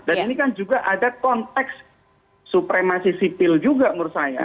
dan ini kan juga ada konteks supremasi sipil juga menurut saya